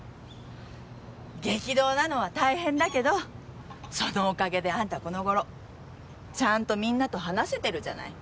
激動なのは大変だけどそのおかげであんたこの頃ちゃんとみんなと話せてるじゃない。